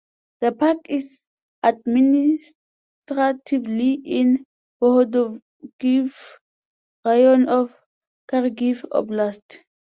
The park is administratively in Bohodukhiv Raion of Kharkiv Oblast.